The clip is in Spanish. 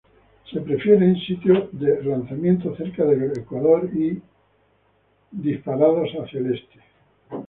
Se prefiere sitios de lanzamiento cerca del Ecuador y disparados hacia el Este.